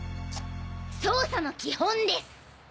捜査の基本です！